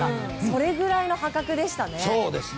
それぐらいの破格でしたね。